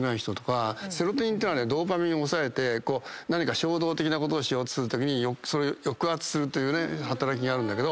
セロトニンってのはドーパミンを抑えて衝動的なことをしようとするときに抑圧するという働きがあるんだけど。